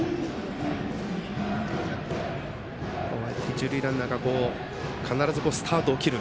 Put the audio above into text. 一塁ランナーが必ずスタートを切る。